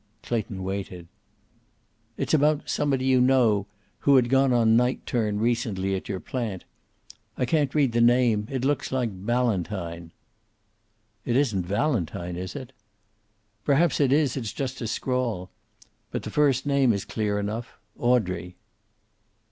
Clayton waited. "It's about somebody you know, who had gone on night turn recently at your plant. I can't read the name. It looks like Ballantine." "It isn't Valentine, is it?" "Perhaps it is. It's just a scrawl. But the first name is clear enough Audrey."